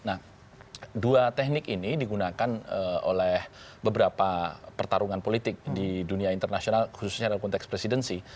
nah dua teknik ini digunakan oleh beberapa pertarungan politik di dunia internasional khususnya dalam konteks presidensi